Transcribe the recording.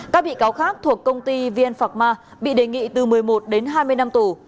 các bị cáo khác thuộc công ty vn phạc ma bị đề nghị từ một mươi một đến hai mươi năm tù